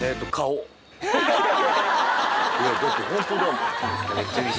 いやだってホントだもん。